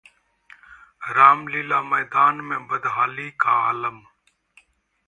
रामलीला मैदान में बदहाली का आलम